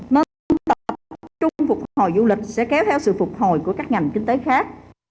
nên tổ chức trung phục hồi du lịch sẽ kéo theo sự phục hồi của các ngành kinh tế khác